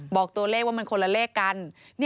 บอกตัวเลขว่ามันคนละเลขกัน